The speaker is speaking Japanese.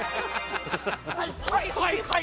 はいはいはい！